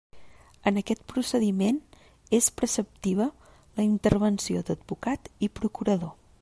En aquest procediment és preceptiva la intervenció d'advocat i procurador.